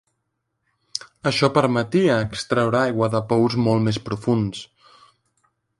Això permetia extreure aigua de pous molt més profunds.